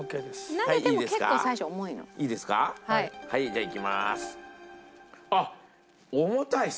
はいじゃあいきます。